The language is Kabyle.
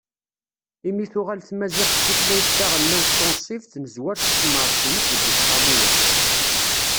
Imi tuɣal tmaziɣt d tutlayt taɣelnawt tunṣibt, nezwer s usemres-ines deg Useqqamu-a.